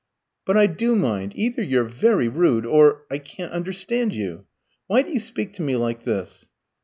"But I do mind. Either you're very rude, or I can't understand you. Why do you speak to me like this?"